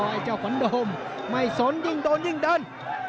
ไอ้เจ้าขวัญโดมไม่สนยิ่งโดนยิ่งเดิน